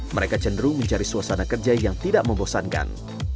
mereka cenderung mencari suasana kerja yang tidak membosankan